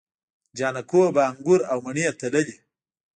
جانکو به انګور او مڼې تللې.